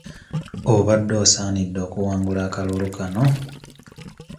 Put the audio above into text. Obadde osaanidde okuwangula akalulu kano.